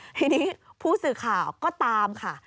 ทีนี้ผู้สื่อข่าวก็ตามค่ะ